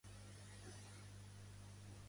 De qui li parla la Paulina, en canvi?